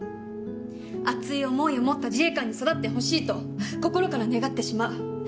熱い思いを持った自衛官に育ってほしいと心から願ってしまう。